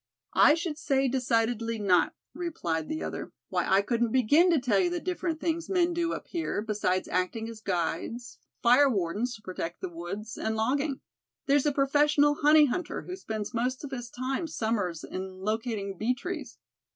"I should say decidedly not," replied the other. "Why, I couldn't begin to tell you the different things men do up here, besides acting as guides; fire wardens, to protect the woods; and logging. There's the professional honey hunter who spends most of his time summers in locating bee trees.